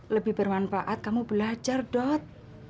lebih bermanfaat kamu belajar dok